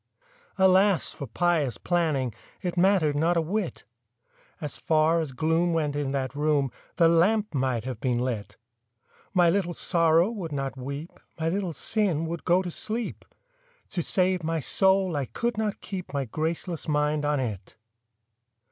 Alas for pious planning— It mattered not a whit! As far as gloom went in that room, The lamp might have been lit! My Little Sorrow would not weep, My Little Sin would go to sleep— To save my soul I could not keep My graceless mind on it!